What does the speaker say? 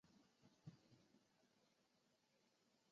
锯齿沙参为桔梗科沙参属的植物。